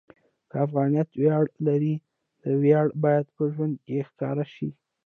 که افغانیت ویاړ لري، دا ویاړ باید په ژوند کې ښکاره شي.